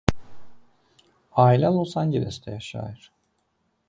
Ailə Los Ancelesdə yaşayır.